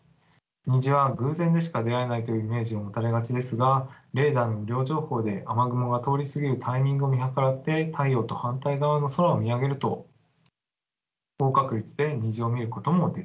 虹は偶然でしか出会えないというイメージを持たれがちですがレーダーの雨量情報で雨雲が通り過ぎるタイミングを見計らって太陽と反対側の空を見上げると高確率で虹を見ることもできるんです。